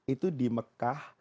itu di mekah